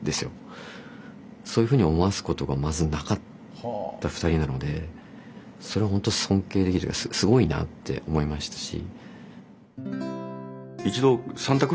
そういうふうに思わすことがまずなかった２人なのでそれは本当尊敬できるすごいなぁって思いましたし。